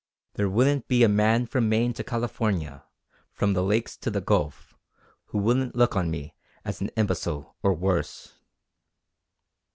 There wouldn't be a man from Maine to California, from the Lakes to the Gulf, who wouldn't look on me as an imbecile, or worse!"